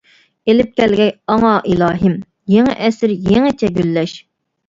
ئېلىپ كەلگەي ئاڭا ئىلاھىم، يېڭى ئەسىر يېڭىچە گۈللەش.